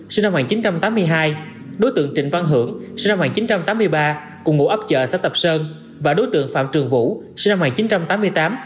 sinh năm một nghìn chín trăm tám mươi hai đối tượng trịnh văn hưởng sinh năm một nghìn chín trăm tám mươi ba cùng ngụ ấp chợ xã tập sơn và đối tượng phạm trường vũ sinh năm một nghìn chín trăm tám mươi tám